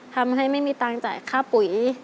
ทำให้ไม่มีตังค์จ่ายค่าปุ๋ย